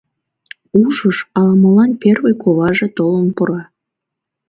Ушыш ала-молан первый куваже толын пура.